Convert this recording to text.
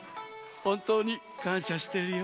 ほんとうにかんしゃしてるよ。